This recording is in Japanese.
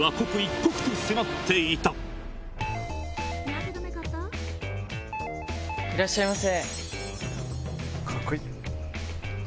いらっしゃいませ。